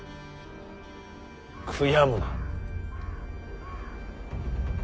悔やむな。